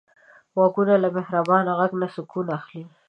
غوږونه له مهربان غږ نه سکون اخلي